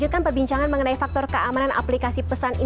ya ini kan banyak yang ada terutama di playstore android